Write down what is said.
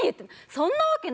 そんなわけないでしょ！